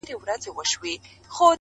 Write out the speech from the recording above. • ور شریک یې په زګېروي په اندېښنې سو,